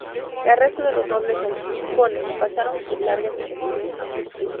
El resto de los nobles sajones pasaron por largas negociaciones.